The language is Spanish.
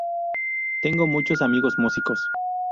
Tengo muchos amigos músicos.